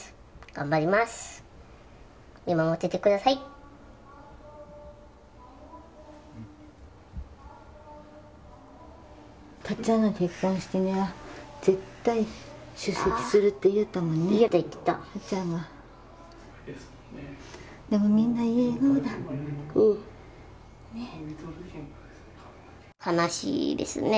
頑張ります見守っててください言ってた言ってたでもみんないい笑顔だうん悲しいですね